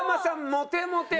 モテモテ。